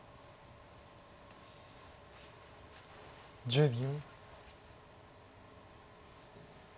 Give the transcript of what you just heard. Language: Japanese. １０秒。